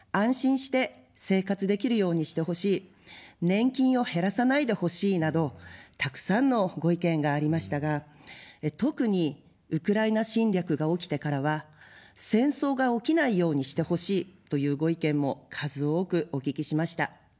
年金を減らさないでほしいなど、たくさんのご意見がありましたが、特にウクライナ侵略が起きてからは、戦争が起きないようにしてほしい、というご意見も数多くお聞きしました。